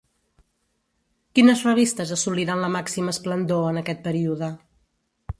Quines revistes assoliren la màxima esplendor en aquest període?